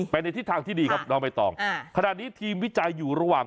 ไปทางที่ดีครับน้องไม่ต่อขณะนี้ทีมวิจัยอยู่ระหว่าง